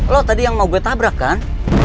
lo tadi yang mau gue tabrak kan